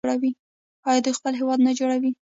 آیا دوی خپل هیواد نه جوړوي؟